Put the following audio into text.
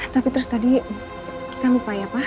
tapi terus tadi kita lupa ya pak